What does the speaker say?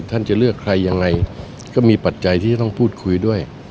จะเลือกใครยังไงก็มีปัจจัยที่จะต้องพูดคุยด้วย